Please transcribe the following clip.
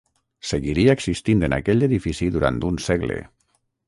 Seguiria existint en aquell edifici durant un segle.